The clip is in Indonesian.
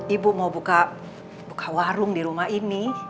ibu mau buka warung di rumah ini